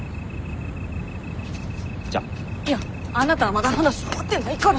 いやあなたはまだ話終わってないから。